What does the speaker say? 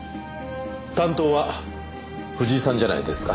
担当は藤井さんじゃないですか？